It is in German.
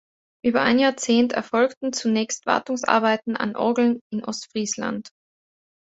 Über ein Jahrzehnt erfolgten zunächst Wartungsarbeiten an Orgeln in Ostfriesland.